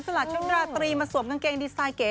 ละชุดราตรีมาสวมกางเกงดีไซน์เก๋